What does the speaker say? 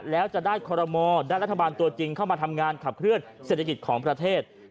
แล้วจะได้คอรมอลได้รัฐบาลตัวจริงเข้ามาทำงานขับเคลื่อนเศรษฐกิจของประเทศ